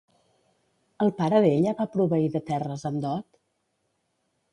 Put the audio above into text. El pare d'ella va proveir de terres en dot?